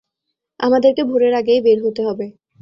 আমাদেরকে ভোরের আগেই বের হতে হবে।